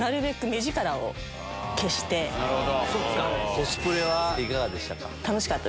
コスプレいかがでした？